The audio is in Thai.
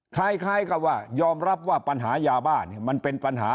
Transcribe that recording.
คล้ายกับว่ายอมรับว่าปัญหายาบ้านมันเป็นปัญหา